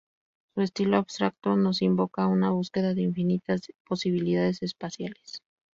Su estilo, abstracto, nos invoca a una búsqueda de infinitas posibilidades espaciales.